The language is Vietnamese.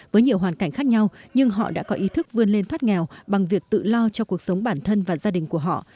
với nhiều hoàn cảnh khác nhau nhưng họ đã có ý thức vươn lên thoát nghèo bằng việc tự lo cho cuộc sống bản thân và gia đình của họ